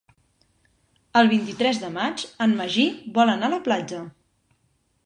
El vint-i-tres de maig en Magí vol anar a la platja.